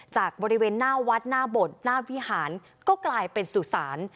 จากบริเวณหน้าวัดหน้าบทหน้าวิหารก็กลายเป็นสุสาน